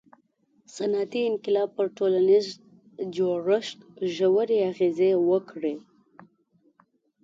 • صنعتي انقلاب پر ټولنیز جوړښت ژورې اغیزې وکړې.